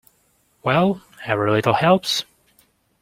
Well, every little helps.